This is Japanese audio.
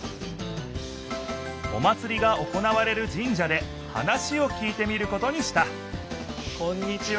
お祭りが行われるじん社で話を聞いてみることにしたこんにちは。